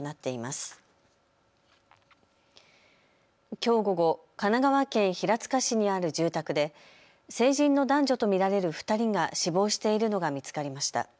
きょう午後、神奈川県平塚市にある住宅で成人の男女と見られる２人が死亡しているのが見つかりました。